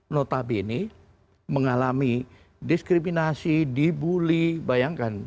notabene mengalami diskriminasi dibully bayangkan